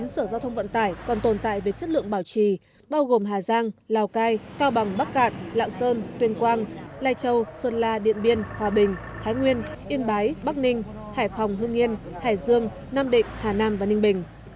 một mươi sở giao thông vận tải còn tồn tại về chất lượng bảo trì bao gồm hà giang lào cai cao bằng bắc cạn lạng sơn tuyên quang lai châu sơn la điện biên hòa bình thái nguyên yên bái bắc ninh hải phòng hương yên hải dương nam định hà nam và ninh bình